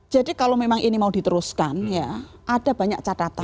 jadi kalau memang ini mau diteruskan ya ada banyak catatan